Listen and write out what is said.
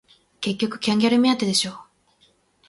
結局キャンギャル目当てでしょ